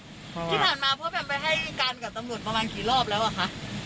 ที่ผ่านมาพ่อแพมไปให้การกับตำรวจประมาณกี่รอบแล้วอ่ะคะ